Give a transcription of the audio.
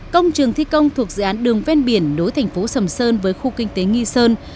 công trường thi công thuộc dự án đường ven biển nối thành phố sầm sơn với khu kinh tế nghi sơn